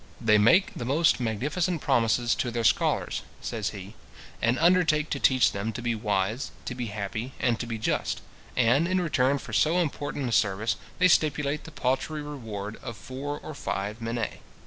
"They make the most magnificent promises to their scholars," says he, "and undertake to teach them to be wise, to be happy, and to be just; and, in return for so important a service, they stipulate the paltry reward of four or five minae."